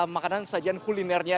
makanan sajian kulinernya